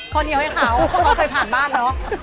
ข้อเดียวให้เขาเขาเคยผ่านบ้านเนอะ